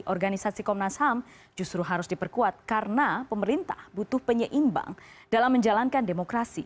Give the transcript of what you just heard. organisasi komnas ham justru harus diperkuat karena pemerintah butuh penyeimbang dalam menjalankan demokrasi